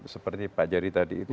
seperti pak jerry tadi itu